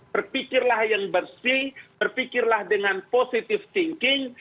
berpikirlah yang bersih berpikirlah dengan positive thinking